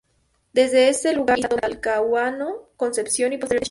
Desde este lugar inician la toma de Talcahuano, Concepción y posteriormente Chillán.